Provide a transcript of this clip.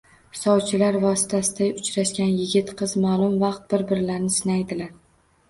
Sovchilar vositasida uchrashgan yigit-qiz ma’lum vaqt bir-birlarini sinaydilar